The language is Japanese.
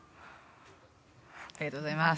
ありがとうございます